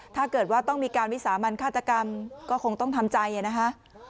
ถ้าเกิดว่าต้องมีการวิสามันฆาตกรรมก็คงต้องทำใจนะคะ